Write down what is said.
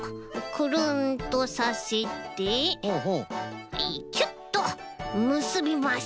くるんとさせてキュッとむすびます。